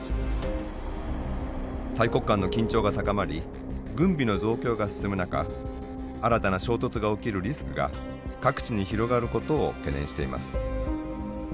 大国間の緊張が高まり軍備の増強が進む中新たな衝突が起きるリスクが各地に広がることを懸念しています。